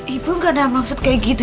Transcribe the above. ibu gak ada maksud kayak gitu